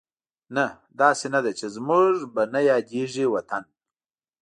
نه، داسې نه ده چې زموږ به نه یادېږي وطن